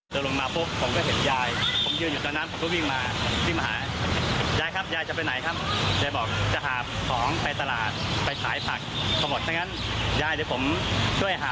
หรือว่ายายหามาได้แถวสาวแล้ว